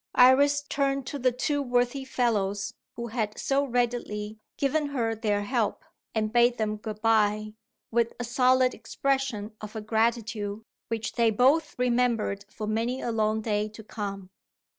Iris turned to the two worthy fellows, who had so readily given her their help, and bade them good bye, with a solid expression of her gratitude which they both remembered for many a long day to come.